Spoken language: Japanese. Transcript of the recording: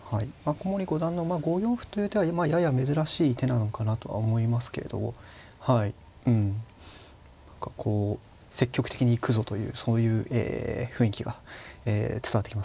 古森五段の５四歩という手はやや珍しい手なのかなとは思いますけどはいうんこう積極的に行くぞというそういう雰囲気は伝わってきますね。